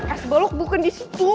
es bolok bukan disitu